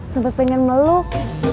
sampai pengen meluk